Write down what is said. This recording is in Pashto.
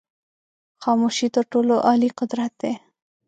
خاموشی تر ټولو عالي قدرت دی.